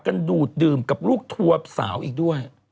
ดูดดื่มกับลูกทัวร์สาวอีกด้วย